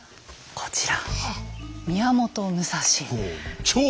こちら。